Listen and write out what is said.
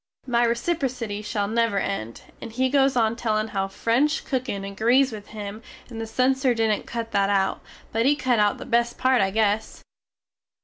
My reciprocity shall never end. And he goes on tellin how french cookin agrees with him and the censer didnt cut that out, but he cut out the best part I guess.